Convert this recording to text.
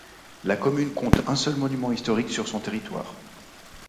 La commune compte un seul monument historique sur son territoire.